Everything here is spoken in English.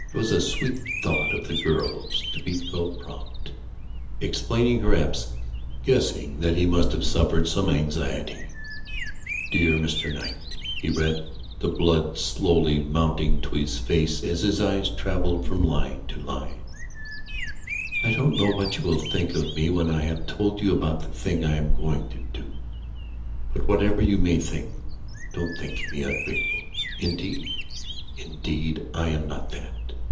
It was a sweet thought of the girl's to be so prompt in explaining her absence, guessing that he must have suffered some anxiety. "DEAR MR. KNIGHT," he read, the blood slowly mounting to his face as his eyes travelled from line to line, "I don't know what you will think of me when I have told you about the thing I am going to do. But whatever you may think, don't think me ungrateful. Indeed, indeed I am not that.